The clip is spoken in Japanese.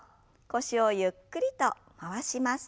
腰をゆっくりと回します。